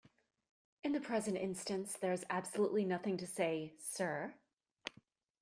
In the present instance, there is absolutely nothing to say 'Sir?'